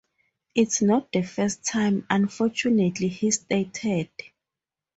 "It's not the first time, unfortunately," he stated.